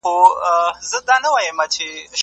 سالم غبرګون باور جوړوي.